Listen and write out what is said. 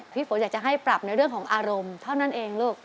ฝนอยากจะให้ปรับในเรื่องของอารมณ์เท่านั้นเองลูก